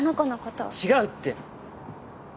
違うって！